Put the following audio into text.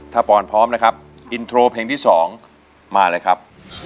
ถ้าปอนพร้อมนะครับอินโทรเพลงที่๒มาเลยครับ